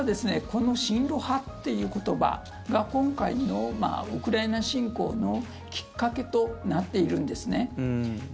この親ロ派という言葉が今回のウクライナ侵攻のきっかけとなっているんですね。